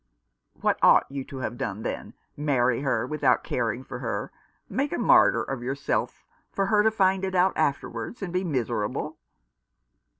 " What ought you to have done, then ? Marry her without caring for her — make a martyr of yourself, for her to find it out afterwards, and be miserable